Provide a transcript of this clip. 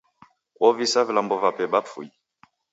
Ovisa vilambo vape bafunyi.